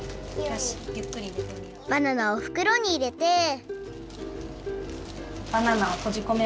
バナナをふくろにいれてバナナをとじこめます。